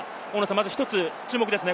まず注目ですね。